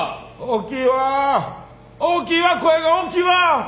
大きいわ声が大きいわ！